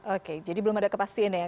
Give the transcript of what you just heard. oke jadi belum ada kepastian ya